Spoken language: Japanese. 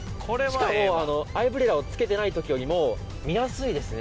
しかもアイブレラをつけてない時よりも見やすいですね